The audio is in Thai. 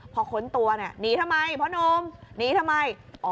พอค้นตัวเนี่ยหนีทำไมพ่อนมหนีทำไม